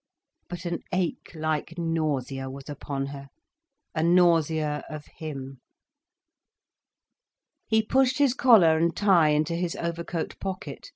But an ache like nausea was upon her: a nausea of him. He pushed his collar and tie into his overcoat pocket.